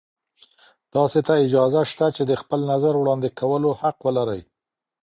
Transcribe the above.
تاسې ته اجازه شته چې د خپل نظر وړاندې کولو حق ولرئ.